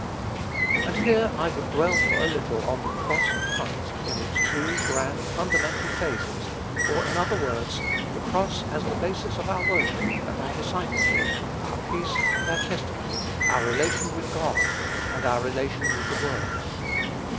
And here I would dwell for a little on the cross of Christ in its two grand, fundamental phases, or in other words, the cross as the basis of our worship and our discipleship, our peace and our testimony, our relation with God, and our relation with the world.